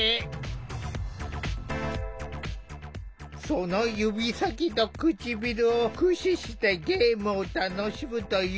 その指先と唇を駆使してゲームを楽しむという上虎。